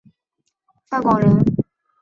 范广人。